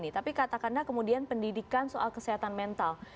tapi katakanlah kemudian pendidikan soal kesehatan mental